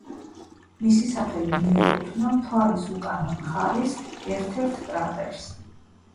მისი სახელი მიეკუთვნა მთვარის უკანა მხარის ერთ-ერთ კრატერს.